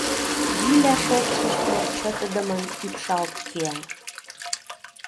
Виля шокшышто чытыдымын ӱпшалт кия.